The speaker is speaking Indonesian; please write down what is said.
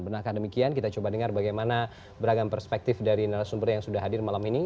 benarkan demikian kita coba dengar bagaimana beragam perspektif dari narasumber yang sudah hadir malam ini